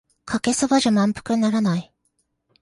かけそばじゃ満腹にならない